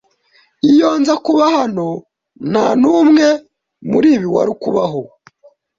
Iyo nza kuba hano, ntanumwe muribi wari kubaho.